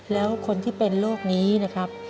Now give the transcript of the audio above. แล้วคนที่เป็นโรคนี้นะครับ